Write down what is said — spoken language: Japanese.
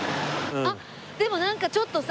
あっでもなんかちょっとさ。